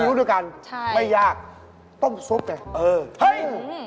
ดูด้ักกันช่ายไม่ยากต้มซุปไงเออเฮ้ย